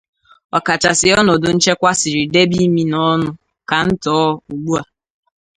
ọkachasị ọnọdụ nchekwa siri debe imi na ọnụ ka ntọọ ugbua